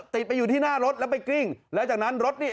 ติดไปอยู่ที่หน้ารถแล้วไปกลิ้งแล้วจากนั้นรถนี่